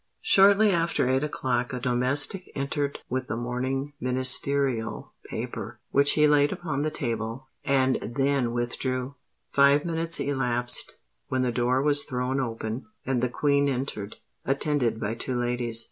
Shortly after eight o'clock a domestic entered with the morning Ministerial paper, which he laid upon the table, and then withdrew. Five minutes elapsed, when the door was thrown open, and the Queen entered, attended by two ladies.